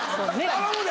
頼むで。